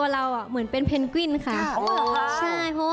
แล้วก็